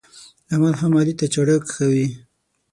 احمد هم علي ته چاړه کښوي.